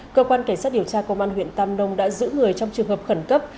cơ quan cảnh sát điều tra công an huyện tam nông đã giữ người trong trường hợp khẩn cấp